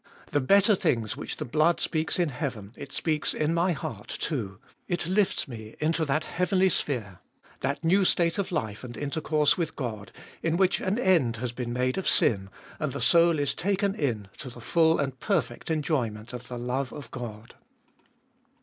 The better things which the blood speaks in heaven, it speaks in my heart too ; it lifts me into that heavenly sphere, that new state of life and intercourse with God, in which an end has been made of sin, and the soul is taken in to the full and perfect enjoyment of the love of God.